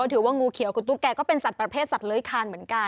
ถือว่างูเขียวคุณตุ๊กแกก็เป็นสัตว์ประเภทสัตว์เลื้อยคานเหมือนกัน